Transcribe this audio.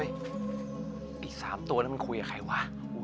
เฮ้ยอีสามตัวนั้นมันคุยกับใครวะ